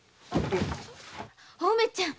お梅ちゃん。